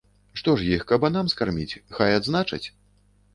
Што ж іх, кабанам скарміць, хай адзначаць?